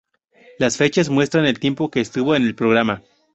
Las fechas muestran el tiempo que estuvo en el programa.